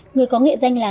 người có nghệ danh là